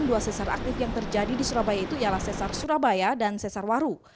dua sesar aktif yang terjadi di surabaya itu ialah sesar surabaya dan sesar waru